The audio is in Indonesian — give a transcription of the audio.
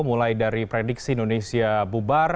mulai dari prediksi indonesia bubar